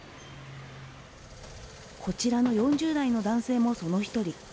こちらの４０代の男性もその一人。